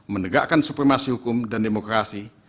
menegakkan supremasi hukum dan demokrasi